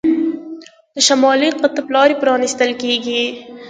د شمالي قطب لارې پرانیستل کیږي.